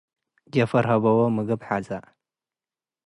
ጀፈር ሀበው ምግብ ሐዘ።